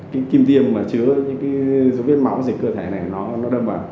cái kim tiêm mà chứa những cái dấu vết máu dịch cơ thể này nó đâm vào